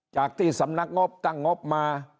จากที่สำนักงบตั้งงบมา